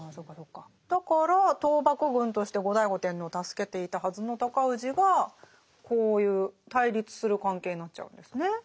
だから倒幕軍として後醍醐天皇を助けていたはずの尊氏がこういう対立する関係になっちゃうんですね。